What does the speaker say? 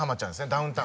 ダウンタウン。